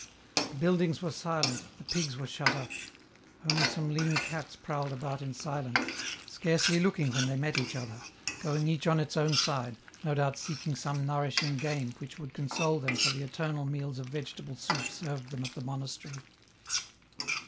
The buildings were silent, the pigs were shut up ; only some lean cats prowled about in silence, EN ROUTE. 305 scarcely looking when they met each other, going each on its own side, no doubt seeking some nourishing game which would console them for the eternal meals of vegetable soup served them at the monastery.